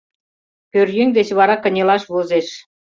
— Пӧръеҥ деч вара кынелаш возеш.